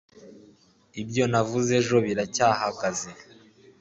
ibyo navuze ejo biracyahagaze